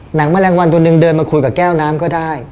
แมลงวันตัวหนึ่งเดินมาคุยกับแก้วน้ำก็ได้